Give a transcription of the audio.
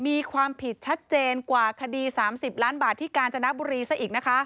มีความผิดชัดเจนกว่าคดี๓๐ล้านบาทที่กาญจนบุรีซะอีกนะคะ